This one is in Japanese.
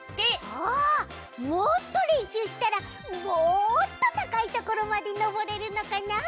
あもっとれんしゅうしたらもっとたかいところまでのぼれるのかなあ？